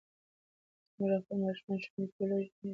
که موږ خپل ماشومان ښوونځي ته ولېږو نو هېواد به ودان شي.